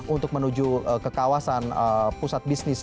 untuk menuju ke kawasan pusat bisnis